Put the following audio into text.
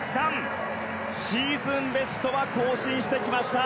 シーズンベストは更新してきました。